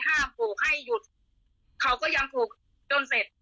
ห้ามผูกให้ยุดเขาก็ยังผูกจนเสร็จ